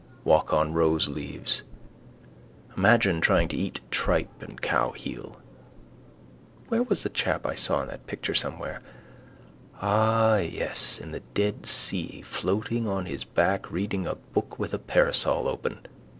Walk on roseleaves. Imagine trying to eat tripe and cowheel. Where was the chap I saw in that picture somewhere? Ah yes, in the dead sea floating on his back, reading a book with a parasol open.